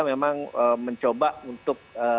memang mencoba untuk